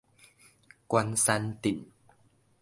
關山鎮